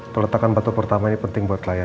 perletakan batu pertama ini penting buat klien ya